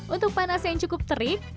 untuk panas yang cukup terik